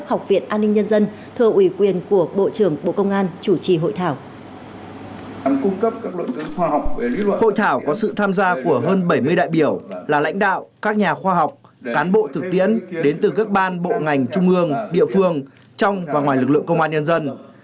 hội thảo có sự tham gia của hơn bảy mươi đại biểu là lãnh đạo các nhà khoa học cán bộ thực tiễn đến từ các ban bộ ngành trung ương địa phương trong và ngoài lực lượng công an nhân dân